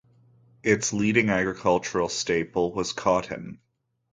Its leading agricultural staple was cotton.